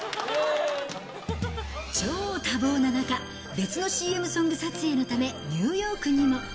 超多忙な中、別のＣＭソング撮影のため、ニューヨークにも。